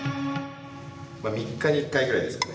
３日に１回ぐらいですかね。